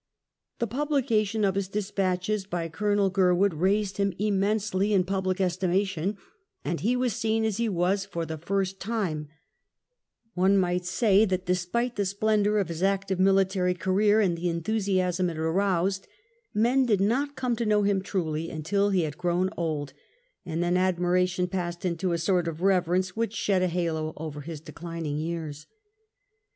The publication of his despatches by Colonel Gurwood raised him immensely in public estimation, and he was seen as he was for the first tima One might say that, despite the splendour 252 WELLINGTON of his active military career, and the enthusiasm it aroused, men did not come to know him truly until he had grown old, and then admiration passed into a sort of reverence which shed a halo over his declining years.